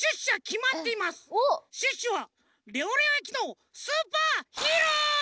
シュッシュは「レオレオえきのスーパーヒーロー」！